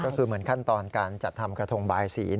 ก็คือเหมือนขั้นตอนการจัดทำกระทงบายสี